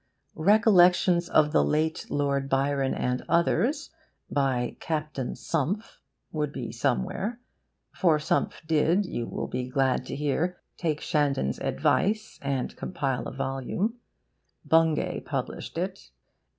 RECOLLECTIONS OF THE LATE LORD BYRON AND OTHERS, by CAPTAIN SUMPH, would be somewhere; for Sumph did, you will be glad to hear, take Shandon's advice and compile a volume. Bungay published it.